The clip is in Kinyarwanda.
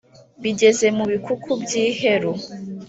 bigeza mu bikuku by’iheru